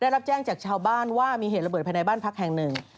รับแจ้งจากชาวบ้านว่ามีเหตุระเบิดภายในบ้านพักแห่งหนึ่ง